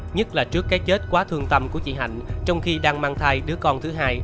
nhất là trước cái chết quá thương tâm của chị hạnh trong khi đang mang thai đứa con thứ hai